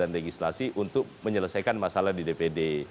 legislasi untuk menyelesaikan masalah di dpd